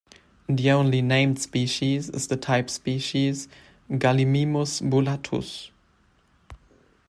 The only named species is the type species "Gallimimus bullatus".